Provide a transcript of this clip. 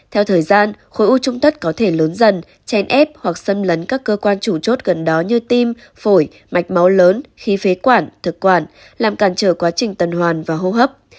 theo thời gian khối u trung thất có thể lớn dần chèn ép hoặc xâm lấn các cơ quan chủ chốt gần đó như tim phổi mạch máu lớn khí phế quản thực quản làm cản trở quá trình tuần hoàn và hô hấp